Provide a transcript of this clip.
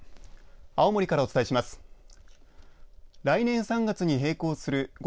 青森からお伝えします。